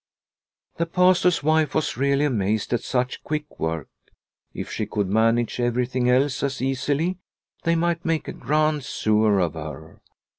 The Pastor's wife was really amazed at such quick work. If she could manage everything else as easily, they might make a grand sewer of her